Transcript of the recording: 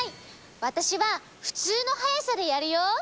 わたしはふつうのはやさでやるよ。